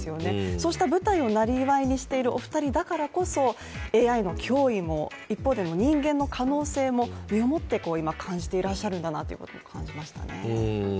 そうした舞台をなりわいにしているお二人だからこそＡＩの脅威も、一方で人間の可能性も、身をもって感じていらっしゃるんだなということを感じましたね。